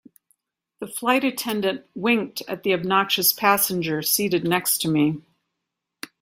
The flight attendant winked at the obnoxious passenger seated next to me.